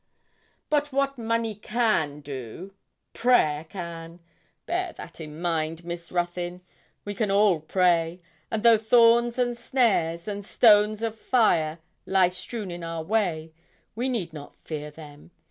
'But what money can't do, prayer can bear that in mind, Miss Ruthyn. We can all pray; and though thorns and snares, and stones of fire lie strewn in our way, we need not fear them.